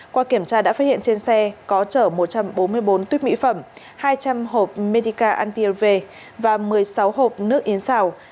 qua kiểm tra đã phát hiện trên xe có chở một trăm bốn mươi bốn tuyếp mỹ phẩm hai trăm linh hộp medica antiver và một mươi sáu hộp nước yến xào